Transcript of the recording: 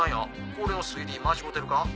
俺の推理間違うてるか？